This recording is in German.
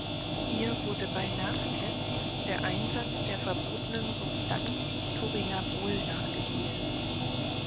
Ihr wurde bei Nachtests der Einsatz der verbotenen Substanz Turinabol nachgewiesen.